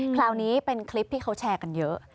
คราวนี้เป็นคลิปที่เขาแชร์กันเยอะ